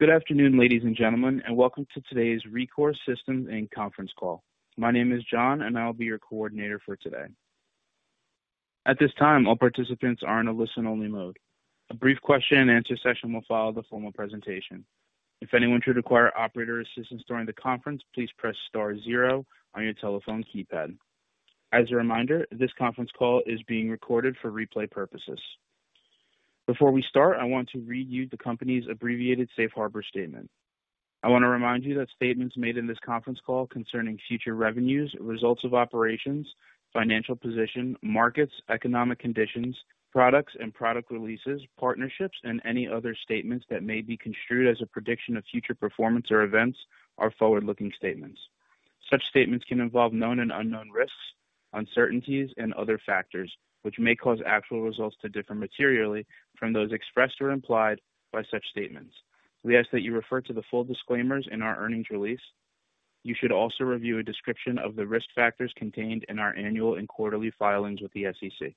Good afternoon, ladies and gentlemen. Welcome to today's Rekor Systems, Inc. Conference Call. My name is John. I'll be your coordinator for today. At this time, all participants are in a listen-only mode. A brief question-and-answer session will follow the formal presentation. If anyone should require operator assistance during the conference, please press star zero on your telephone keypad. As a reminder, this conference call is being recorded for replay purposes. Before we start, I want to read you the company's abbreviated safe harbor statement. I want to remind you that statements made in this conference call concerning future revenues, results of operations, financial position, markets, economic conditions, products and product releases, partnerships, and any other statements that may be construed as a prediction of future performance or events are forward-looking statements. Such statements can involve known and unknown risks, uncertainties, and other factors, which may cause actual results to differ materially from those expressed or implied by such statements. We ask that you refer to the full disclaimers in our earnings release. You should also review a description of the risk factors contained in our annual and quarterly filings with the SEC.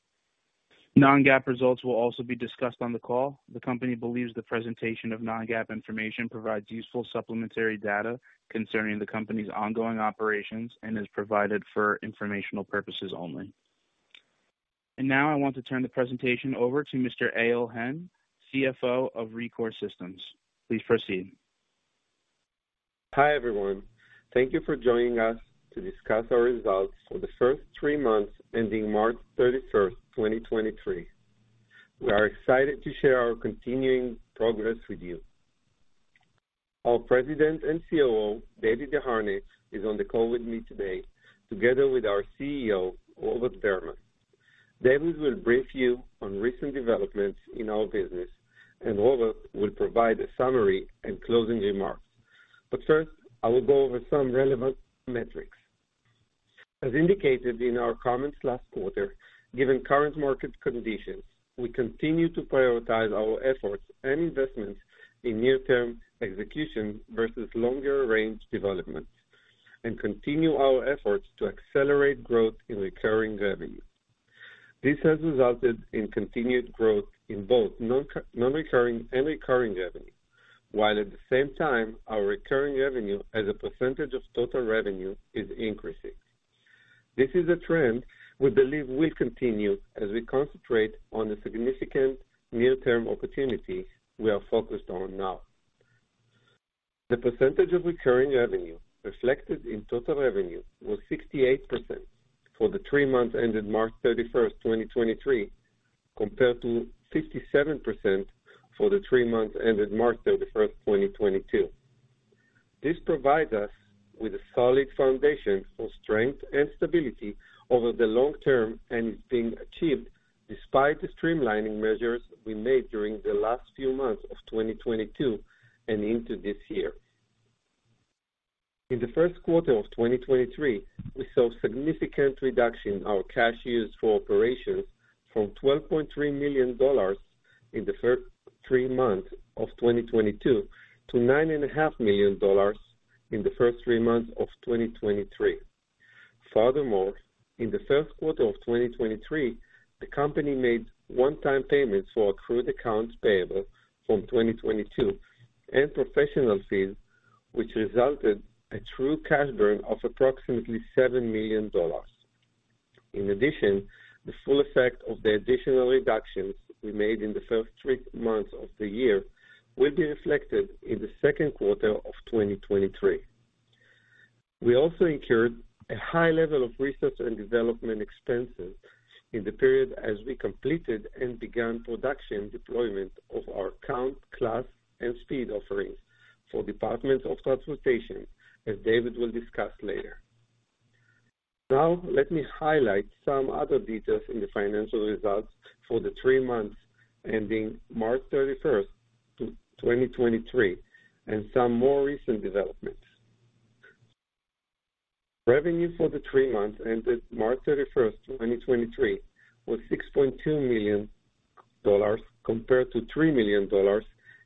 non-GAAP results will also be discussed on the call. The company believes the presentation of non-GAAP information provides useful supplementary data concerning the company's ongoing operations and is provided for informational purposes only. Now I want to turn the presentation over to Mr. Eyal Hen, CFO of Rekor Systems. Please proceed. Hi, everyone. Thank you for joining us to discuss our results for the first three months ending March 31st, 2023. We are excited to share our continuing progress with you. Our President and COO, David Desharnais, is on the call with me today, together with our CEO, Robert Berman. David will brief you on recent developments in our business, and Robert will provide a summary and closing remarks. First, I will go over some relevant metrics. As indicated in our comments last quarter, given current market conditions, we continue to prioritize our efforts and investments in near-term execution versus longer-range developments and continue our efforts to accelerate growth in recurring revenue. This has resulted in continued growth in both non-recurring and recurring revenue, while at the same time our recurring revenue as a percentage of total revenue is increasing. This is a trend we believe will continue as we concentrate on the significant near-term opportunities we are focused on now. The percentage of recurring revenue reflected in total revenue was 68% for the three months ended March 31st, 2023, compared to 57% for the three months ended March 31st, 2022. This provides us with a solid foundation for strength and stability over the long term and is being achieved despite the streamlining measures we made during the last few months of 2022 and into this year. In the first quarter of 2023, we saw significant reduction in our cash used for operations from $12.3 million in the first three months of 2022 to $9.5 million in the first three months of 2023. Furthermore, in the first quarter of 2023, the company made one-time payments for accrued accounts payable from 2022 and professional fees, which resulted a true cash burn of approximately $7 million. In addition, the full effect of the additional reductions we made in the first three months of the year will be reflected in the second quarter of 2023. We also incurred a high level of research and development expenses in the period as we completed and began production deployment of our Count, Class, and Speed offerings for Departments of Transportation, as David will discuss later. Let me highlight some other details in the financial results for the three months ending March 31st, 2023, and some more recent developments. Revenue for the three months ended March 31st, 2023, was $6.2 million compared to $3 million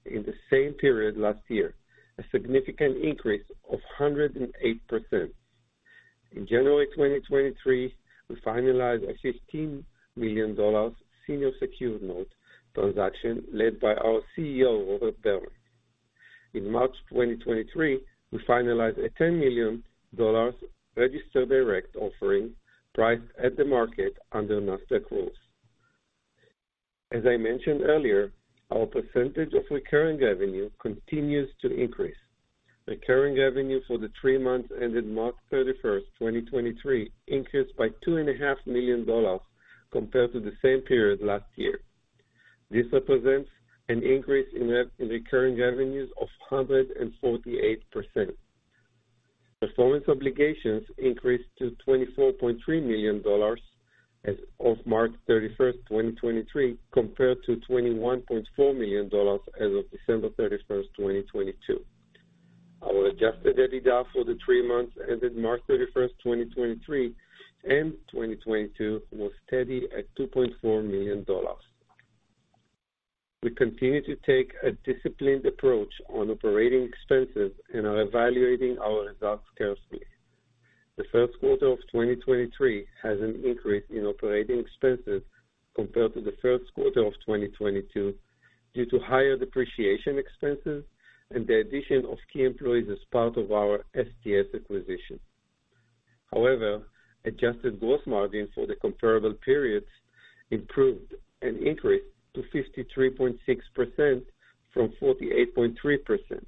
in the same period last year, a significant increase of 108%. In January 2023, we finalized a $15 million senior secured note transaction led by our CEO, Robert Berman. In March 2023, we finalized a $10 million registered direct offering priced at the market under Nasdaq rules. As I mentioned earlier, our percentage of recurring revenue continues to increase. Recurring revenue for the three months ended March 31st, 2023, increased by $2.5 million compared to the same period last year. This represents an increase in re-recurring revenues of 148%. Performance obligations increased to $24.3 million as of March 31st, 2023, compared to $21.4 million as of December 31st, 2022. Our adjusted EBITDA for the three months ended March 31st, 2023, and 2022 was steady at $2.4 million. We continue to take a disciplined approach on operating expenses and are evaluating our results carefully. The first quarter of 2023 has an increase in operating expenses compared to the first quarter of 2022 due to higher depreciation expenses and the addition of key employees as part of our STS acquisition. However, adjusted gross margin for the comparable periods improved and increased to 53.6% from 48.3%.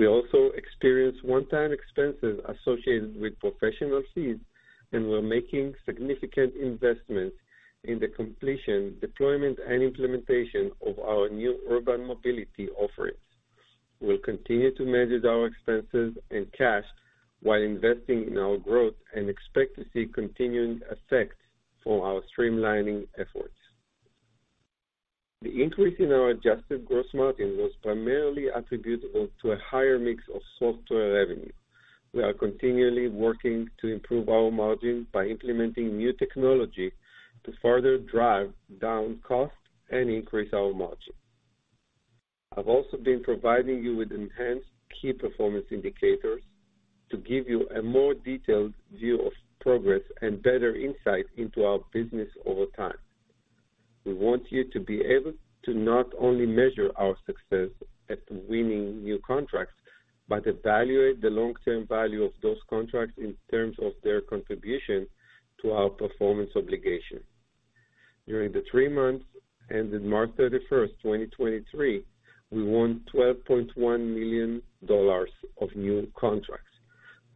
We also experienced one-time expenses associated with professional fees, we're making significant investments in the completion, deployment, and implementation of our new urban mobility offerings. We'll continue to manage our expenses and cash while investing in our growth and expect to see continuing effects from our streamlining efforts. The increase in our adjusted gross margin was primarily attributable to a higher mix of software revenue. We are continually working to improve our margins by implementing new technology to further drive down costs and increase our margin. I've also been providing you with enhanced key performance indicators to give you a more detailed view of progress and better insight into our business over time. We want you to be able to not only measure our success at winning new contracts, but evaluate the long-term value of those contracts in terms of their contribution to our performance obligation. During the three months ended March 31st, 2023, we won $12.1 million of new contracts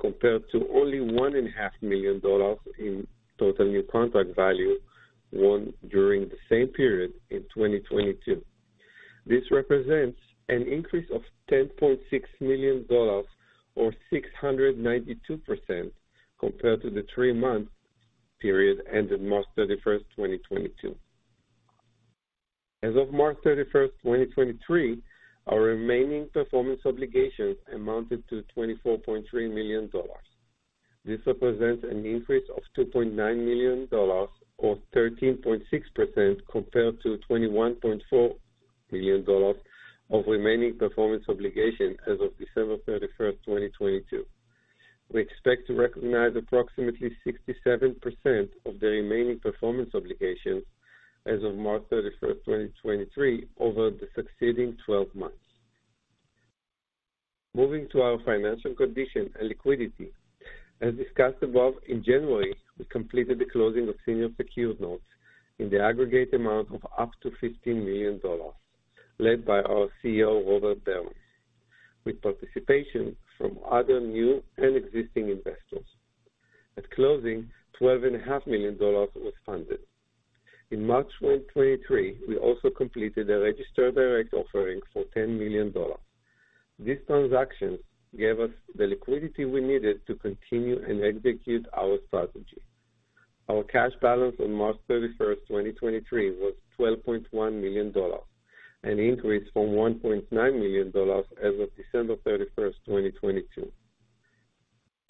compared to only one and a half million dollars in total new contract value won during the same period in 2022. This represents an increase of $10.6 million or 692% compared to the three-month period ended March 31st, 2022. As of March 31st, 2023, our remaining performance obligations amounted to $24.3 million. This represents an increase of $2.9 million or 13.6% compared to $21.4 million of remaining performance obligation as of December 31st, 2022. We expect to recognize approximately 67% of the remaining performance obligations as of March 31st, 2023 over the succeeding 12 months. Moving to our financial condition and liquidity. As discussed above, in January, we completed the closing of senior secured notes in the aggregate amount of up to $15 million, led by our CEO, Robert Berman, with participation from other new and existing investors. At closing, $12.5 million was funded. In March 2023, we also completed a registered direct offering for $10 million. This transaction gave us the liquidity we needed to continue and execute our strategy. Our cash balance on March 31st, 2023 was $12.1 million, an increase from $1.9 million as of December 31st, 2022.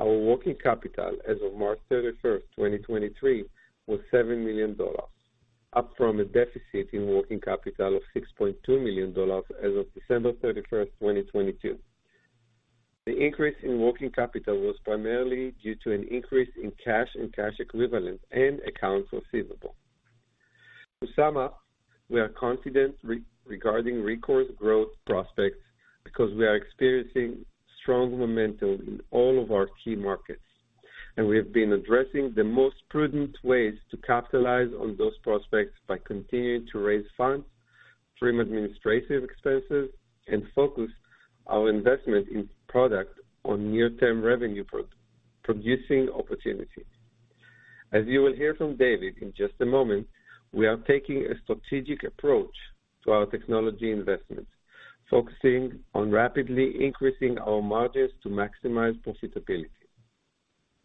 Our working capital as of March 31st, 2023 was $7 million, up from a deficit in working capital of $6.2 million as of December 31st, 2022. The increase in working capital was primarily due to an increase in cash and cash equivalents and accounts receivable. To sum up, we are confident regarding Rekor's growth prospects because we are experiencing strong momentum in all of our key markets, and we have been addressing the most prudent ways to capitalize on those prospects by continuing to raise funds, trim administrative expenses, and focus our investment in product on near-term revenue producing opportunities. As you will hear from David in just a moment, we are taking a strategic approach to our technology investments, focusing on rapidly increasing our margins to maximize profitability.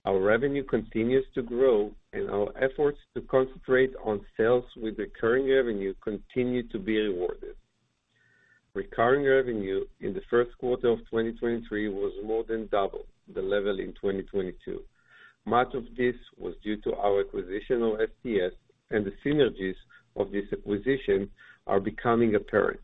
Our revenue continues to grow, and our efforts to concentrate on sales with recurring revenue continue to be rewarded. Recurring revenue in the first quarter of 2023 was more than double the level in 2022. Much of this was due to our acquisition of STS, and the synergies of this acquisition are becoming apparent.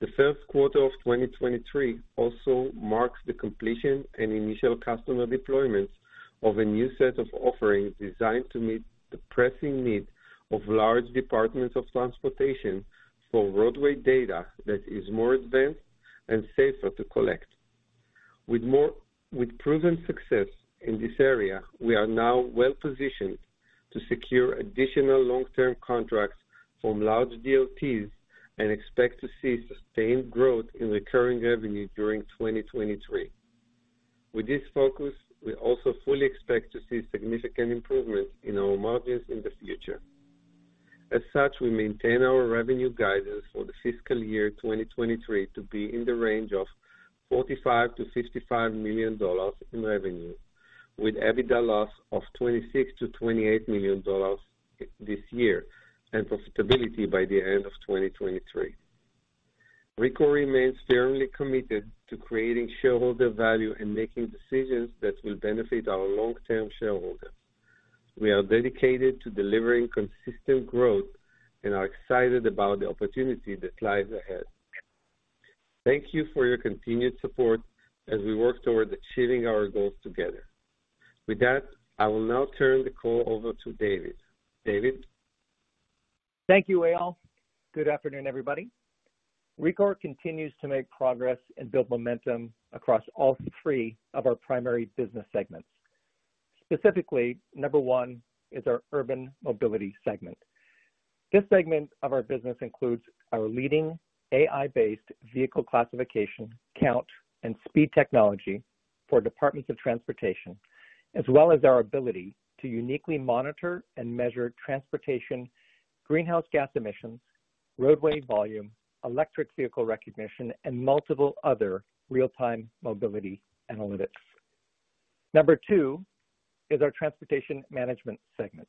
The first quarter of 2023 also marks the completion and initial customer deployments of a new set of offerings designed to meet the pressing need of large Departments of Transportation for roadway data that is more advanced and safer to collect. With proven success in this area, we are now well-positioned to secure additional long-term contracts from large DOTs and expect to see sustained growth in recurring revenue during 2023. With this focus, we also fully expect to see significant improvements in our margins in the future. As such, we maintain our revenue guidance for the fiscal year 2023 to be in the range of $45 million-$55 million in revenue with EBITDA loss of $26 million-$28 million this year, and profitability by the end of 2023. Rekor remains firmly committed to creating shareholder value and making decisions that will benefit our long-term shareholders. We are dedicated to delivering consistent growth and are excited about the opportunity that lies ahead. Thank you for your continued support as we work toward achieving our goals together. With that, I will now turn the call over to David. David? Thank you, Eyal. Good afternoon, everybody. Rekor continues to make progress and build momentum across all three of our primary business segments. Specifically, number one is our urban mobility segment. This segment of our business includes our leading AI-based vehicle classification, count, and speed technology for departments of transportation, as well as our ability to uniquely monitor and measure transportation, greenhouse gas emissions, roadway volume, electric vehicle recognition, and multiple other real-time mobility analytics. Number two is our transportation management segment.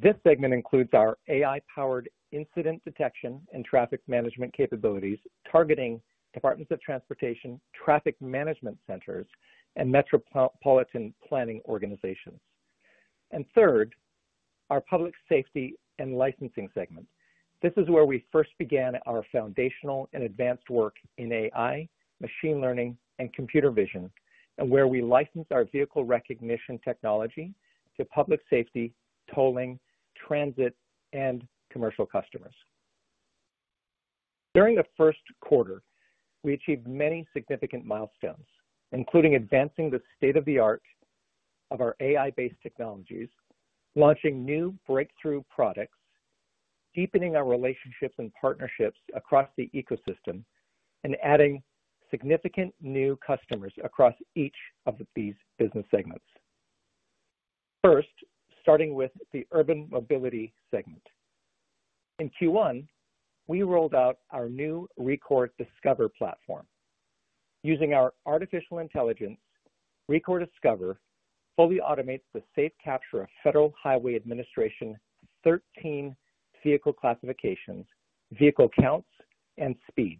This segment includes our AI-powered incident detection and traffic management capabilities, targeting departments of transportation, traffic management centers, and metropolitan planning organizations. Third, our public safety and licensing segment. This is where we first began our foundational and advanced work in AI, machine learning, and computer vision, and where we license our vehicle recognition technology to public safety, tolling, transit, and commercial customers. During the first quarter, we achieved many significant milestones, including advancing the state-of-the-art of our AI-based technologies, launching new breakthrough products, deepening our relationships and partnerships across the ecosystem, and adding significant new customers across each of these business segments. First, starting with the urban mobility segment. In Q1, we rolled out our new Rekor Discover platform. Using our artificial intelligence, Rekor Discover fully automates the safe capture of Federal Highway Administration 13 vehicle classifications, vehicle counts, and speed,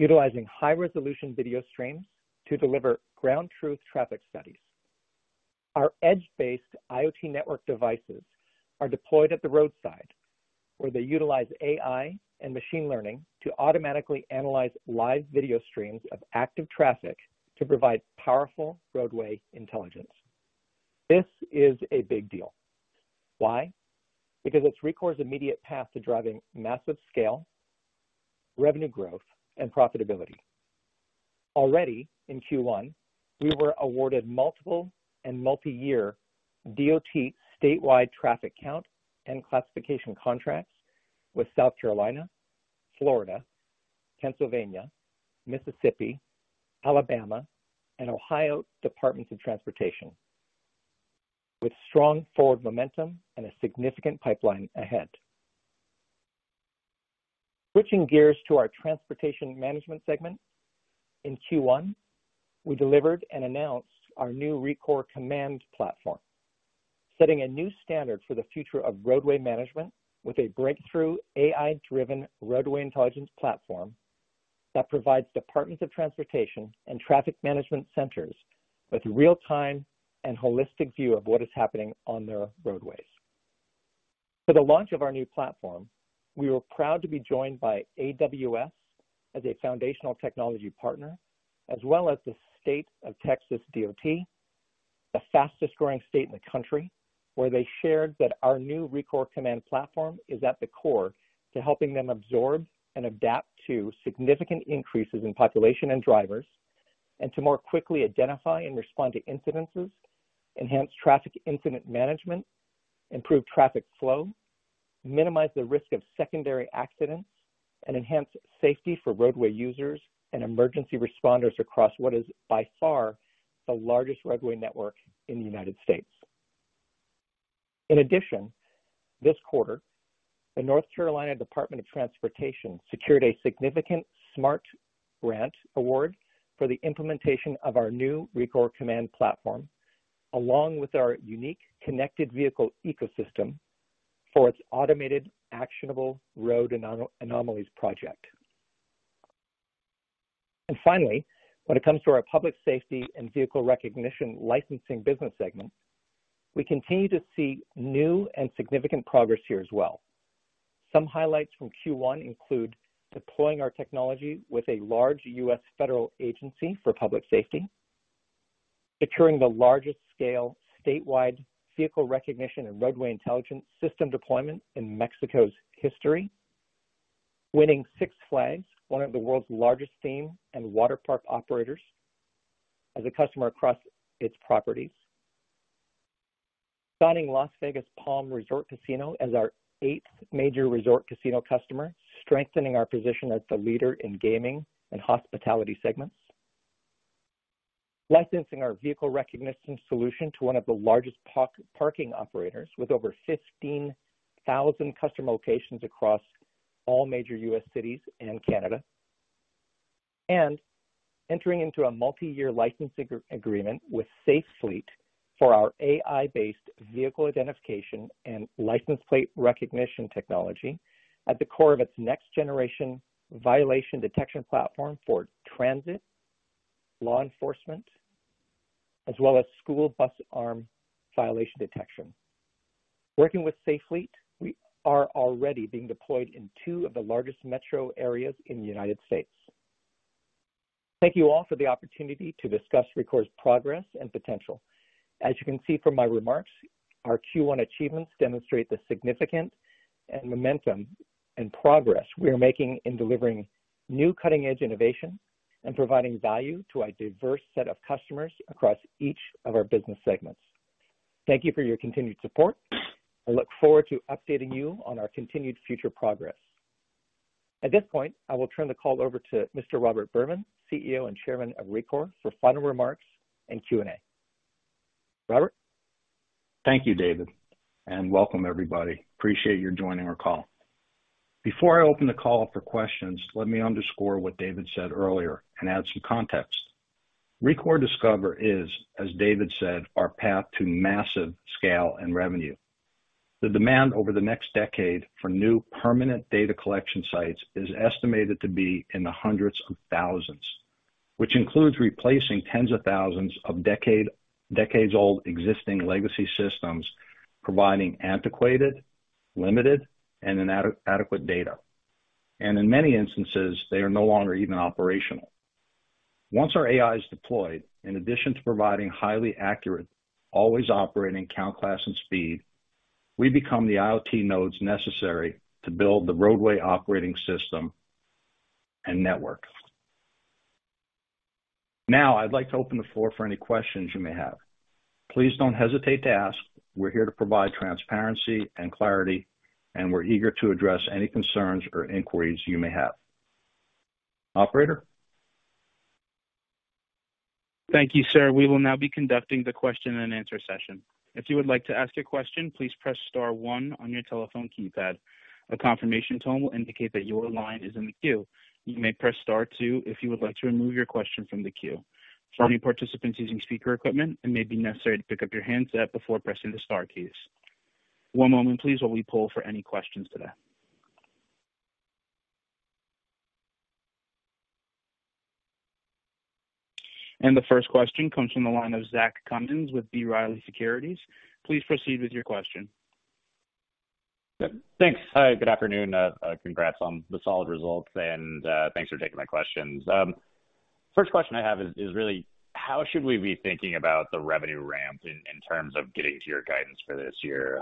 utilizing high-resolution video streams to deliver ground truth traffic studies. Our edge-based IoT network devices are deployed at the roadside, where they utilize AI and machine learning to automatically analyze live video streams of active traffic to provide powerful roadway intelligence. This is a big deal. Why? It's Rekor's immediate path to driving massive scale, revenue growth, and profitability. Already in Q1, we were awarded multiple and multi-year DOT statewide traffic count and classification contracts with South Carolina, Florida, Pennsylvania, Mississippi, Alabama, and Ohio Departments of Transportation with strong forward momentum and a significant pipeline ahead. Switching gears to our transportation management segment. In Q1, we delivered and announced our new Rekor Command platform, setting a new standard for the future of roadway management with a breakthrough AI-driven roadway intelligence platform that provides Departments of Transportation and Traffic Management Centers with real-time and holistic view of what is happening on their roadways. For the launch of our new platform, we were proud to be joined by AWS as a foundational technology partner, as well as the State of Texas DOT, the fastest growing state in the country, where they shared that our new Rekor Command platform is at the core to helping them absorb and adapt to significant increases in population and drivers, and to more quickly identify and respond to incidences, enhance traffic incident management, improve traffic flow, minimize the risk of secondary accidents, and enhance safety for roadway users and emergency responders across what is by far the largest roadway network in the United States. In addition, this quarter, the North Carolina Department of Transportation secured a significant SMART Grant award for the implementation of our new Rekor Command platform, along with our unique connected vehicle ecosystem for its automated actionable road anomalies project. Finally, when it comes to our public safety and vehicle recognition licensing business segment, we continue to see new and significant progress here as well. Some highlights from Q1 include deploying our technology with a large U.S. federal agency for public safety, securing the largest scale statewide vehicle recognition and roadway intelligence system deployment in Mexico's history, winning Six Flags, one of the world's largest theme and water park operators, as a customer across its properties. Signing Palms Casino Resort as our eighth major resort casino customer, strengthening our position as the leader in gaming and hospitality segments. Licensing our vehicle recognition solution to one of the largest park-parking operators with over 15,000 customer locations across all major U.S. cities and Canada. Entering into a multi-year licensing agreement with Safe Fleet for our AI-based vehicle identification and license plate recognition technology at the core of its next generation violation detection platform for transit, law enforcement, as well as school bus arm violation detection. Working with Safe Fleet, we are already being deployed in two of the largest metro areas in the United States. Thank you all for the opportunity to discuss Rekor's progress and potential. As you can see from my remarks, our Q1 achievements demonstrate the significant and momentum and progress we are making in delivering new cutting-edge innovation and providing value to a diverse set of customers across each of our business segments. Thank you for your continued support. I look forward to updating you on our continued future progress. At this point, I will turn the call over to Mr. Robert Berman, CEO and Chairman of Rekor, for final remarks and Q&A. Robert? Thank you, David. Welcome everybody. Appreciate you joining our call. Before I open the call up for questions, let me underscore what David said earlier and add some context. Rekor Discover is, as David said, our path to massive scale and revenue. The demand over the next decade for new permanent data collection sites is estimated to be in the hundreds of thousands, which includes replacing tens of thousands of decades-old existing legacy systems, providing antiquated, limited, and inadequate data. In many instances, they are no longer even operational. Once our AI is deployed, in addition to providing highly accurate, always operating Count, Class, and Speed, we become the IoT nodes necessary to build the roadway operating system and network. I'd like to open the floor for any questions you may have. Please don't hesitate to ask. We're here to provide transparency and clarity, and we're eager to address any concerns or inquiries you may have. Operator? Thank you, sir. We will now be conducting the question and answer session. If you would like to ask a question, please press star 1 on your telephone keypad. A confirmation tone will indicate that your line is in the queue. You may press star two if you would like to remove your question from the queue. For any participants using speaker equipment, it may be necessary to pick up your handset before pressing the star keys. One moment, please, while we poll for any questions today. The first question comes from the line of Zachary Cundiff with B. Riley Securities. Please proceed with your question. Thanks. Hi, good afternoon. Congrats on the solid results and thanks for taking my questions. First question I have is really how should we be thinking about the revenue ramp in terms of getting to your guidance for this year,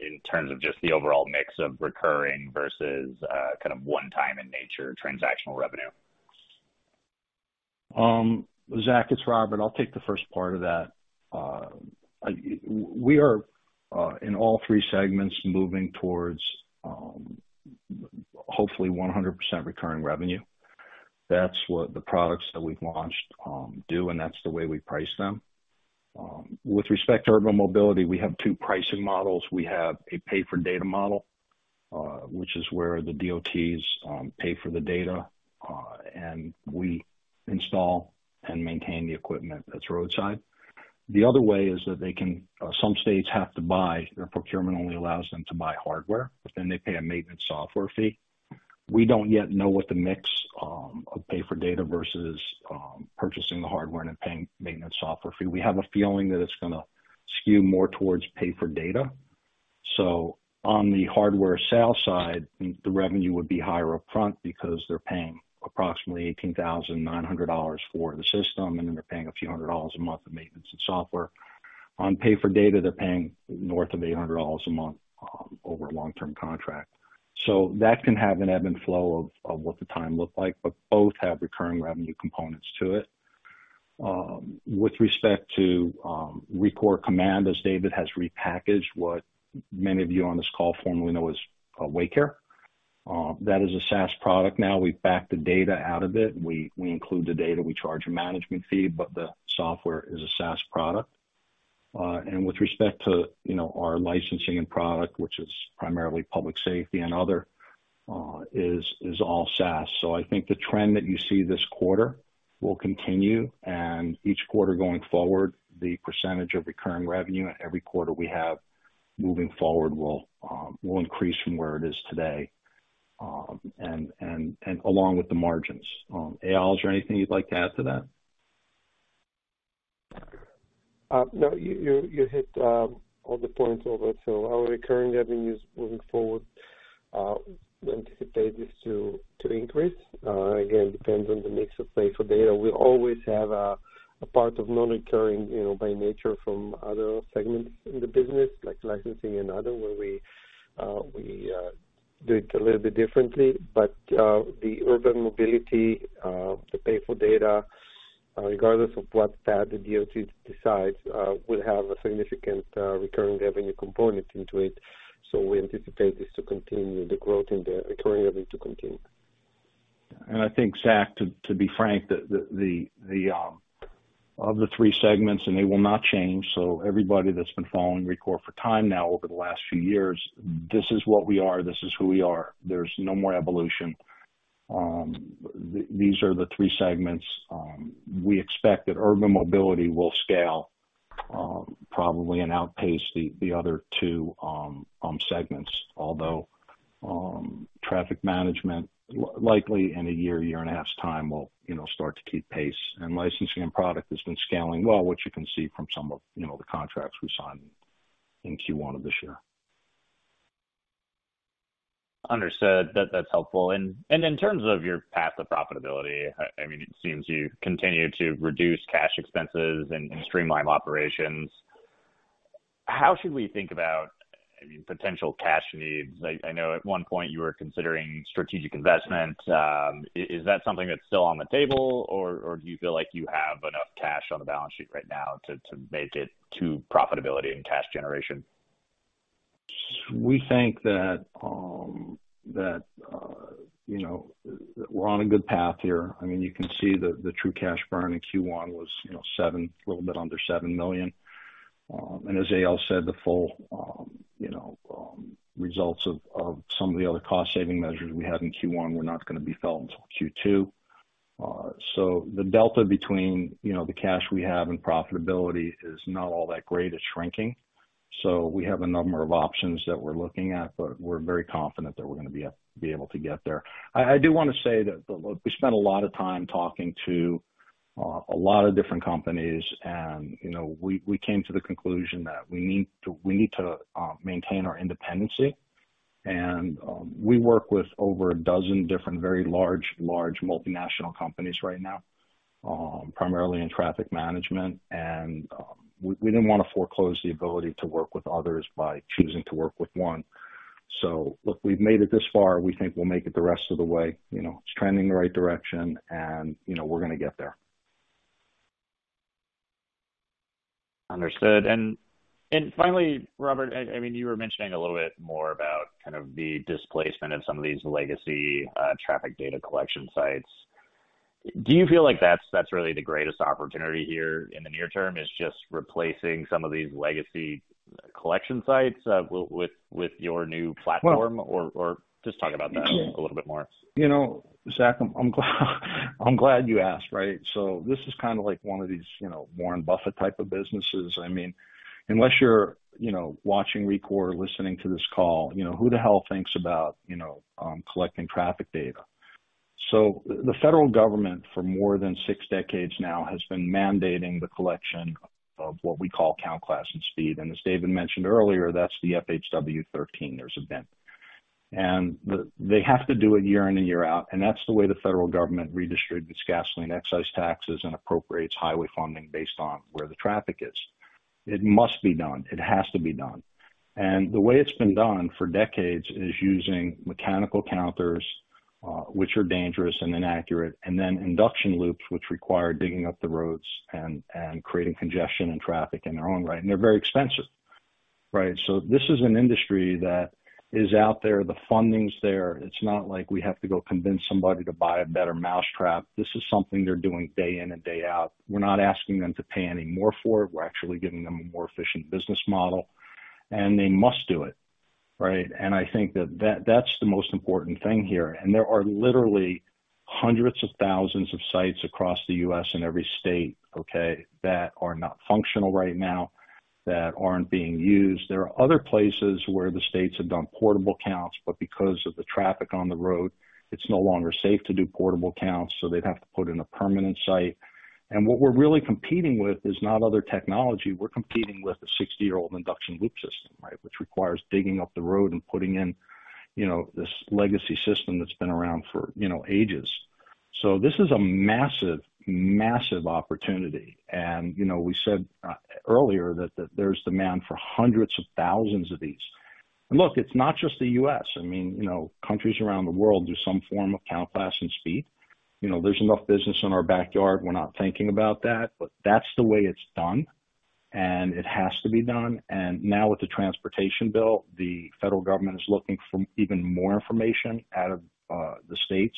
in terms of just the overall mix of recurring versus kind of one time in nature transactional revenue? Zach, it's Robert. I'll take the first part of that. we are in all three segments moving towards hopefully 100% recurring revenue. That's what the products that we've launched do, and that's the way we price them. With respect to Urban Mobility, we have two pricing models. We have a pay-for-data model, which is where the DOTs pay for the data, and we install and maintain the equipment that's roadside. The other way is that some states have to buy. Their procurement only allows them to buy hardware, they pay a maintenance software fee. We don't yet know what the mix of pay-for-data versus purchasing the hardware and then paying maintenance software fee. We have a feeling that it's gonna skew more towards pay-for-data. On the hardware sale side, the revenue would be higher upfront because they're paying approximately $18,900 for the system, and then they're paying a few hundred dollars a month in maintenance and software. On pay-for-data, they're paying north of $800 a month over a long-term contract. That can have an ebb and flow of what the time look like, but both have recurring revenue components to it. With respect to Rekor Command, as David has repackaged what many of you on this call formally know as Waycare. That is a SaaS product now. We've backed the data out of it. We include the data, we charge a management fee, but the software is a SaaS product. With respect to, you know, our licensing and product, which is primarily public safety and other, is all SaaS. I think the trend that you see this quarter will continue, and each quarter going forward, the percentage of recurring revenue and every quarter we have moving forward will increase from where it is today. Along with the margins. Eyal, is there anything you'd like to add to that? No, you hit all the points over. Our recurring revenues moving forward, we anticipate this to increase. Again, depends on the mix of pay-for-data. We always have a part of non-recurring, you know, by nature from other segments in the business, like licensing and other, where we do it a little bit differently. The Urban Mobility, the pay-for-data, regardless of what that the DOT decides, will have a significant recurring revenue component into it. We anticipate this to continue, the growth in the recurring revenue to continue. I think, Zach, to be frank, of the three segments, they will not change. Everybody that's been following Rekor for time now over the last few years, this is what we are, this is who we are. There's no more evolution. These are the three segments. We expect that Urban Mobility will scale probably and outpace the other two segments. Although, Traffic Management likely in a year and a half's time will, you know, start to keep pace. Licensing and Product has been scaling well, which you can see from some of, you know, the contracts we signed in Q1 of this year. Understood. That's helpful. In terms of your path to profitability, I mean, it seems you continue to reduce cash expenses and streamline operations. How should we think about, I mean, potential cash needs? I know at one point you were considering strategic investment. Is that something that's still on the table or do you feel like you have enough cash on the balance sheet right now to make it to profitability and cash generation? We think that, you know, we're on a good path here. I mean, you can see the true cash burn in Q1 was, you know, a little bit under $7 million. As Eyal said, the full, you know, results of some of the other cost saving measures we had in Q1 were not gonna be felt until Q2. The delta between, you know, the cash we have and profitability is not all that great. It's shrinking. We have a number of options that we're looking at, but we're very confident that we're gonna be able to get there. I do wanna say that, look, we spent a lot of time talking to a lot of different companies and, you know, we came to the conclusion that we need to maintain our independency. We work with over a dozen different very large multinational companies right now, primarily in traffic management. We didn't wanna foreclose the ability to work with others by choosing to work with one. Look, we've made it this far. We think we'll make it the rest of the way. You know, it's trending in the right direction and, you know, we're gonna get there. Understood. Finally, Robert, I mean, you were mentioning a little bit more about kind of the displacement of some of these legacy traffic data collection sites. Do you feel like that's really the greatest opportunity here in the near term, is just replacing some of these legacy collection sites with your new platform? Or just talk about that a little bit more. You know, Zach, I'm glad you asked, right? This is kind of like one of these, you know, Warren Buffett type of businesses. I mean, unless you're, you know, watching Rekor or listening to this call, you know, who the hell thinks about, collecting traffic data? The federal government, for more than six decades now, has been mandating the collection of what we call Count, Class, and Speed. As David mentioned earlier, that's the FHWA 13. There's a bent. They have to do it year in and year out, and that's the way the federal government redistributes gasoline excise taxes and appropriates highway funding based on where the traffic is. It must be done. It has to be done. The way it's been done for decades is using mechanical counters, which are dangerous and inaccurate, and then induction loops, which require digging up the roads and creating congestion and traffic in their own right. They're very expensive, right? This is an industry that is out there, the funding's there. It's not like we have to go convince somebody to buy a better mousetrap. This is something they're doing day in and day out. We're not asking them to pay any more for it. We're actually giving them a more efficient business model, and they must do it, right? I think that's the most important thing here. There are literally hundreds of thousands of sites across the U.S. in every state, okay, that are not functional right now, that aren't being used. There are other places where the states have done portable counts, but because of the traffic on the road, it's no longer safe to do portable counts, so they'd have to put in a permanent site. What we're really competing with is not other technology. We're competing with a 60-year-old induction loop system, right, which requires digging up the road and putting in, you know, this legacy system that's been around for, you know, ages. This is a massive opportunity. You know, we said earlier that there's demand for hundreds of thousands of these. Look, it's not just the U.S. I mean, you know, countries around the world do some form of Count, Class, and Speed. You know, there's enough business in our backyard, we're not thinking about that, but that's the way it's done, and it has to be done. Now with the transportation bill, the federal government is looking for even more information out of the states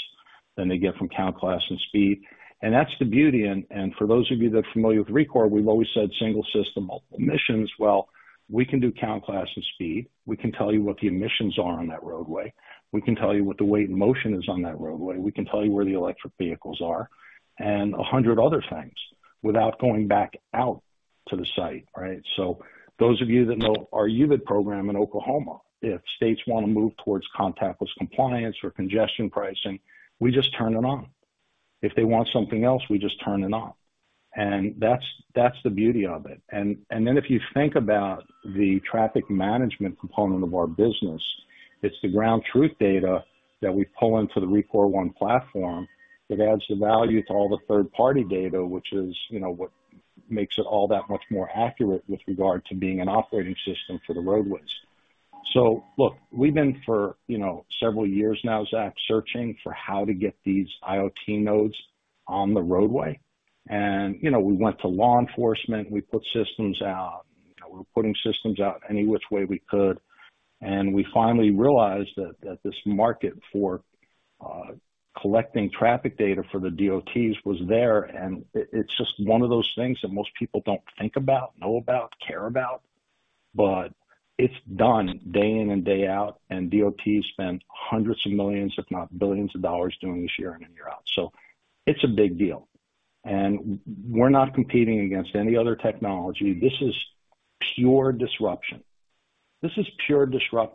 than they get from Count, Class, and Speed. That's the beauty. For those of you that are familiar with Rekor, we've always said single system, multiple missions. We can do Count, Class, and Speed. We can tell you what the emissions are on that roadway. We can tell you what the Weigh-In-Motion is on that roadway. We can tell you where the electric vehicles are and 100 other things without going back out to the site, right? Those of you that know our UVID program in Oklahoma, if states wanna move towards contactless compliance or congestion pricing, we just turn it on. If they want something else, we just turn it on. That's the beauty of it. Then if you think about the traffic management component of our business, it's the ground truth data that we pull into the Rekor One platform that adds the value to all the third party data, which is, you know, what makes it all that much more accurate with regard to being an operating system for the roadways. Look, we've been for, you know, several years now, Zach, searching for how to get these IoT nodes on the roadway. You know, we went to law enforcement, we put systems out. You know, we're putting systems out any which way we could. We finally realized that this market for collecting traffic data for the DOTs was there. It's just one of those things that most people don't think about, know about, care about. But it's done day in and day out, DOTs spend hundreds of millions, if not billions of dollars doing this year in and year out. It's a big deal. We're not competing against any other technology. This is pure disruption.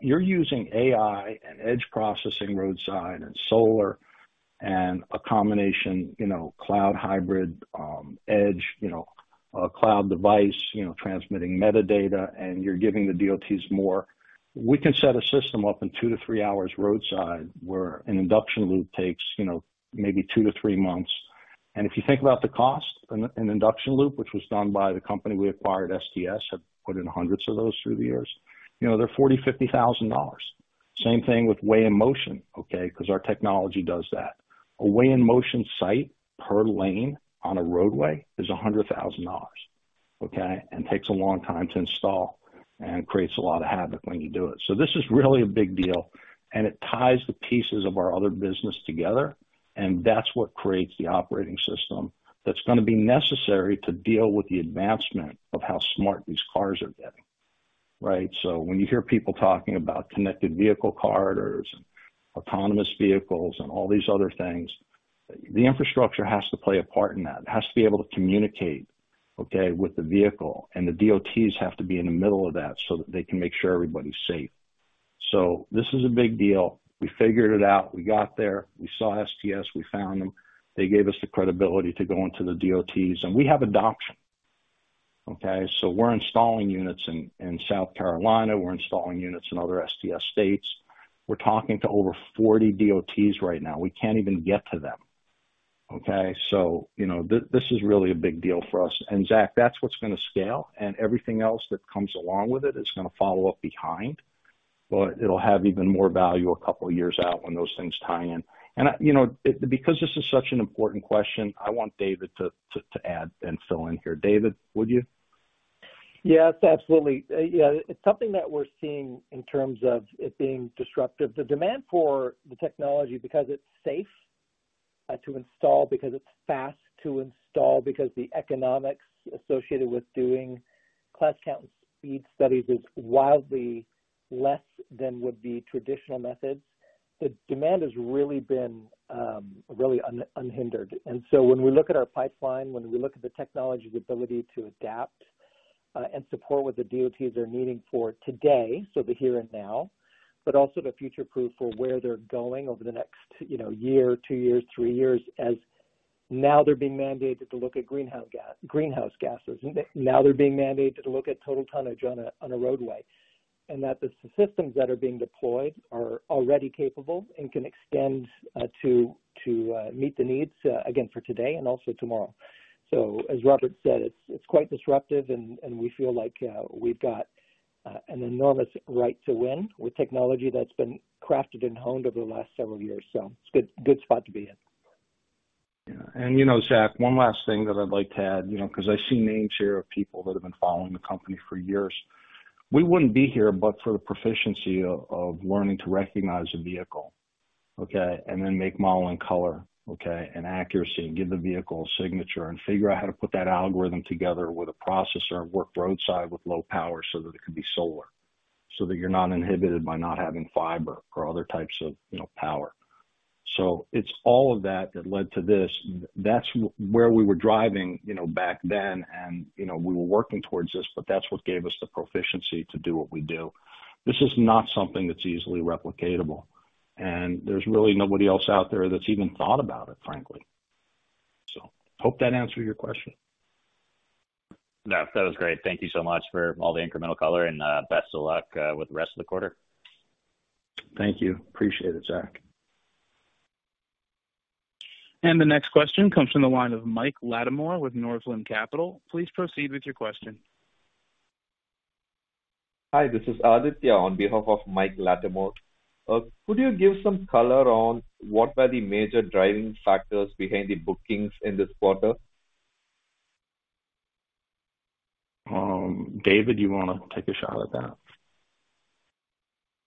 You're using AI and edge processing roadside and solar and a combination, you know, cloud hybrid, edge, you know, cloud device, you know, transmitting metadata, and you're giving the DOTs more. We can set a system up in two-three hours roadside, where an induction loop takes, you know, maybe two-three months. If you think about the cost, an induction loop, which was done by the company we acquired, STS, have put in hundreds of those through the years. You know, they're $40,000-$50,000. Same thing with Weigh-In-Motion, okay, because our technology does that. A Weigh-In-Motion site per lane on a roadway is $100,000, okay? Takes a long time to install and creates a lot of havoc when you do it. This is really a big deal, and it ties the pieces of our other business together, and that's what creates the operating system that's gonna be necessary to deal with the advancement of how smart these cars are getting, right? When you hear people talking about connected vehicle corridors and autonomous vehicles and all these other things, the infrastructure has to play a part in that. It has to be able to communicate, okay, with the vehicle, and the DOTs have to be in the middle of that so that they can make sure everybody's safe. This is a big deal. We figured it out. We got there. We saw STS. We found them. They gave us the credibility to go into the DOTs. We have adoption, okay? We're installing units in South Carolina. We're installing units in other STS states. We're talking to over 40 DOTs right now. We can't even get to them, okay? You know, this is really a big deal for us. Zach, that's what's gonna scale, and everything else that comes along with it is gonna follow up behind. It'll have even more value a couple of years out when those things tie in. I, you know, because this is such an important question, I want David to add and fill in here. David, would you? Yes, absolutely. Yeah, it's something that we're seeing in terms of it being disruptive. The demand for the technology because it's safe to install, because it's fast to install, because the economics associated with doing class count and speed studies is wildly less than would be traditional methods. The demand has really been really unhindered. When we look at our pipeline, when we look at the technology, the ability to adapt and support what the DOTs are needing for today, so the here and now, but also to future-proof for where they're going over the next, you know, one year, two years, three years, as now they're being mandated to look at greenhouse gases. Now they're being mandated to look at total tonnage on a roadway. That the systems that are being deployed are already capable and can extend to meet the needs again, for today and also tomorrow. As Robert said, it's quite disruptive and we feel like we've got an enormous right to win with technology that's been crafted and honed over the last several years. It's a good spot to be in. Yeah. You know, Zack, one last thing that I'd like to add, you know, cause I see names here of people that have been following the company for years. We wouldn't be here but for the proficiency of learning to recognize a vehicle, okay? Then make model and color, okay, and accuracy and give the vehicle a signature and figure out how to put that algorithm together with a processor and work roadside with low power so that it could be solar, so that you're not inhibited by not having fiber or other types of, you know, power. It's all of that that led to this. That's where we were driving, you know, back then and, you know, we were working towards this, but that's what gave us the proficiency to do what we do. This is not something that's easily replicatable, and there's really nobody else out there that's even thought about it, frankly. Hope that answered your question. Yeah, that was great. Thank you so much for all the incremental color and, best of luck, with the rest of the quarter. Thank you. Appreciate it, Zach. The next question comes from the line of Mike Latimore with Northland Capital. Please proceed with your question. Hi, this is Aditya on behalf of Mike Latimore. Could you give some color on what are the major driving factors behind the bookings in this quarter? David, you wanna take a shot at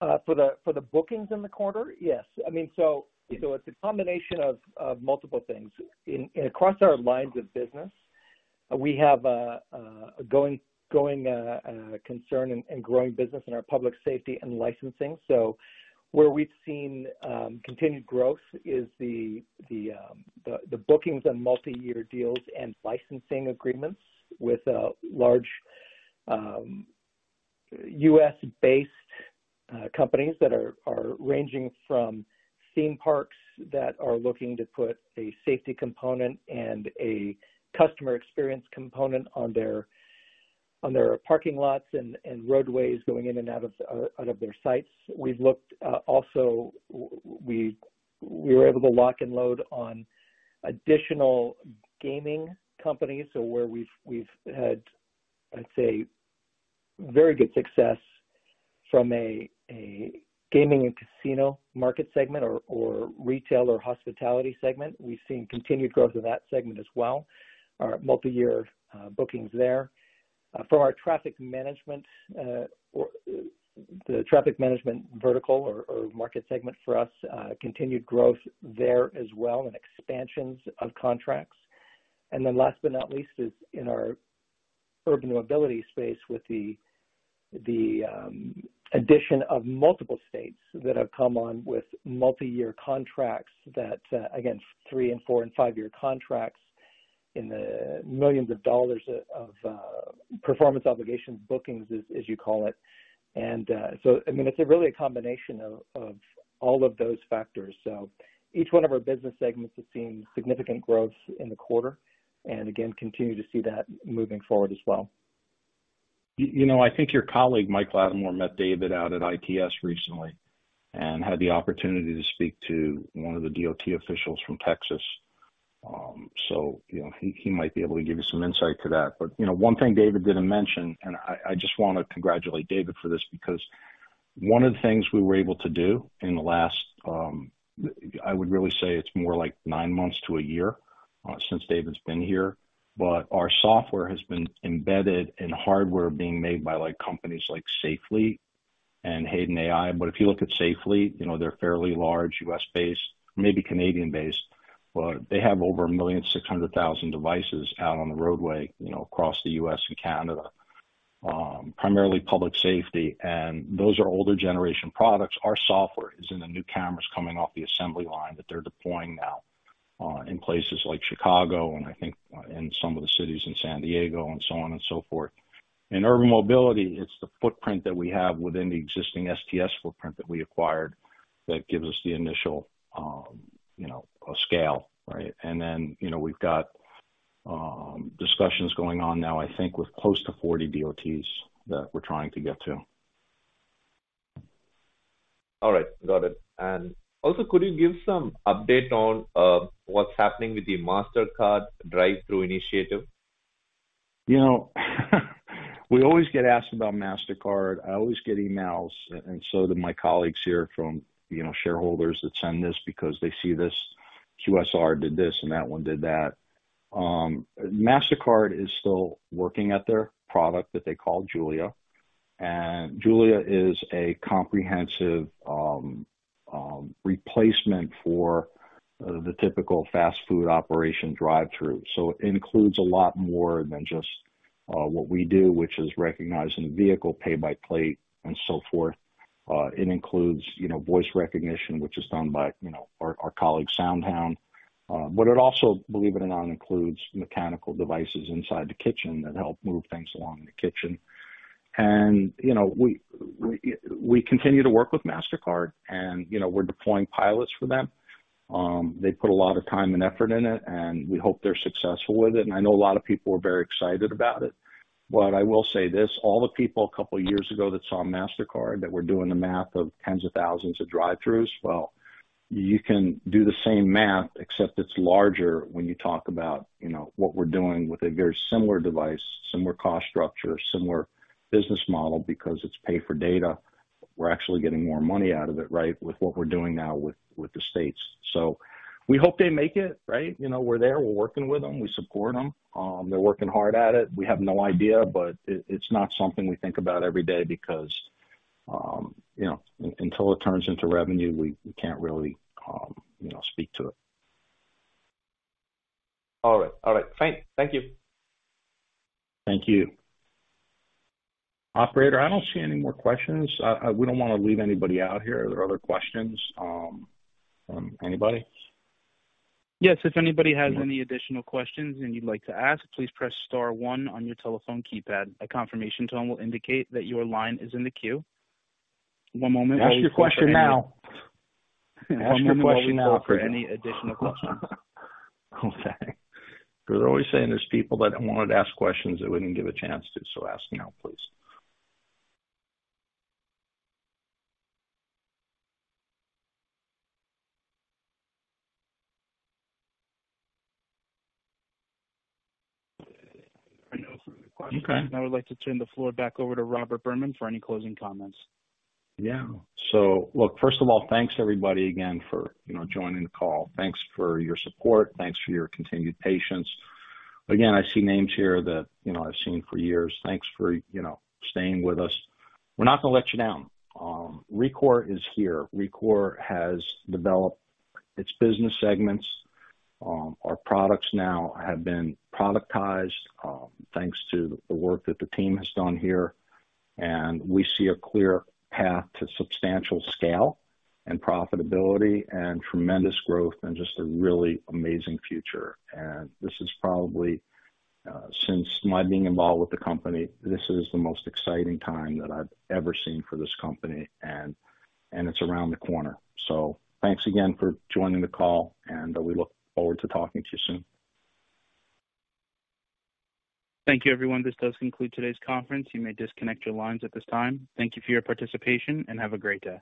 that? For the bookings in the quarter? Yes. I mean, it's a combination of multiple things. In, and across our lines of business, we have a going concern and growing business in our public safety and licensing. Where we've seen continued growth is the bookings and multi-year deals and licensing agreements with large U.S.-based companies that are ranging from theme parks that are looking to put a safety component and a customer experience component on their parking lots and roadways going in and out of their sites. We've looked. Also, we were able to lock and load on additional gaming companies. Where we've had, I'd say, very good success from a gaming and casino market segment or retail or hospitality segment. We've seen continued growth in that segment as well. Our multi-year bookings there. From our traffic management or the traffic management vertical or market segment for us, continued growth there as well and expansions of contracts. Last but not least is in our urban mobility space with the addition of multiple states that have come on with multiyear contracts that again, three and four and five-year contracts in the millions of dollars of performance obligation bookings, as you call it. I mean, it's a really a combination of all of those factors. Each one of our business segments has seen significant growth in the quarter and again, continue to see that moving forward as well. You know, I think your colleague, Mike Latimore, met David out at ITS recently and had the opportunity to speak to one of the DOT officials from Texas. You know, he might be able to give you some insight to that. You know, one thing David didn't mention, and I just wanna congratulate David for this because one of the things we were able to do in the last, I would really say it's more like nine months to a year, since David's been here. Our software has been embedded in hardware being made by like companies like Safe Fleet and Hayden AI. If you look at Safe Fleet, you know, they're fairly large U.S.-based, maybe Canadian-based, but they have over 1,600,000 devices out on the roadway, you know, across the U.S. and Canada, primarily public safety. Those are older generation products. Our software is in the new cameras coming off the assembly line that they're deploying now in places like Chicago and I think in some of the cities in San Diego and so on and so forth. In urban mobility, it's the footprint that we have within the existing STS footprint that we acquired that gives us the initial, you know, scale, right? Then, you know, we've got discussions going on now, I think with close to 40 DOTs that we're trying to get to. All right. Got it. Also, could you give some update on what's happening with the Mastercard drive-thru initiative? You know, we always get asked about Mastercard. I always get emails, and so do my colleagues here from, you know, shareholders that send this because they see this QSR did this and that one did that. Mastercard is still working at their product that they call Julia. Julia is a comprehensive replacement for the typical fast food operation drive-thru. It includes a lot more than just what we do, which is recognizing the vehicle, pay by plate and so forth. It includes, you know, voice recognition, which is done by, you know, our colleague SoundHound AI. It also, believe it or not, includes mechanical devices inside the kitchen that help move things along in the kitchen. You know, we continue to work with Mastercard and, you know, we're deploying pilots for them. They put a lot of time and effort in it, and we hope they're successful with it. I know a lot of people are very excited about it. I will say this, all the people a couple years ago that saw Mastercard, that were doing the math of tens of thousands of drive-thrus, well, you can do the same math, except it's larger when you talk about, you know, what we're doing with a very similar device, similar cost structure, similar business model, because it's pay-for-data. We're actually getting more money out of it, right, with what we're doing now with the states. We hope they make it, right? You know, we're there. We're working with them. We support them. They're working hard at it. We have no idea, but it's not something we think about every day because, you know, until it turns into revenue, we can't really, you know, speak to it. All right. All right. Thank you. Thank you. Operator, I don't see any more questions. We don't wanna leave anybody out here. Are there other questions from anybody? Yes. If anybody has any additional questions and you'd like to ask, please press star one on your telephone keypad. A confirmation tone will indicate that your line is in the queue. One moment please. Ask your question now. Ask your question now, operator. For any additional questions. Okay. Cause they're always saying there's people that wanted to ask questions they wouldn't give a chance to, so ask now, please. I know it's a good question. Okay. I would like to turn the floor back over to Robert Berman for any closing comments. Yeah. Look, first of all, thanks everybody again for, you know, joining the call. Thanks for your support. Thanks for your continued patience. Again, I see names here that, you know, I've seen for years. Thanks for, you know, staying with us. We're not gonna let you down. Rekor is here. Rekor has developed its business segments. Our products now have been productized, thanks to the work that the team has done here, we see a clear path to substantial scale and profitability and tremendous growth and just a really amazing future. This is probably, since my being involved with the company, this is the most exciting time that I've ever seen for this company. It's around the corner. Thanks again for joining the call, and we look forward to talking to you soon. Thank you, everyone. This does conclude today's conference. You may disconnect your lines at this time. Thank you for your participation, and have a great day.